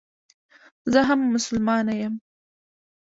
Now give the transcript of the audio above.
زه هم مسلمانه یم.